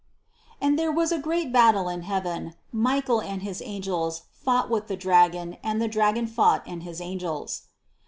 "And there was a great battle in heaven; Michael and his angels fought with the dragon and the dragon fought and his angels."